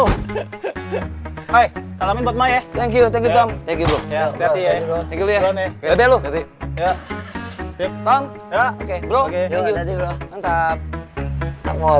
hai salamin buat emak ya